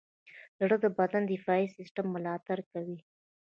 زړه د بدن د دفاعي سیستم ملاتړ کوي.